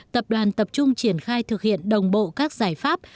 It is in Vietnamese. tập đoàn tập trung triển khai thực hiện đồng bộ các giải pháp